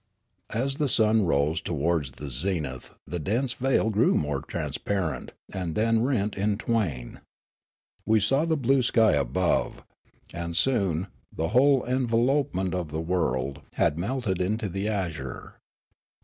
As the sun rose towards the zenith the dense veil grew more transparent, and then rent in twain. We saw the blue sky above ; and soon the whole envelop ment of the world had melted into the azure.